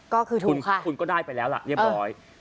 ก็คือถูกค่ะคุณก็ได้ไปแล้วหลักเยอะบร้อย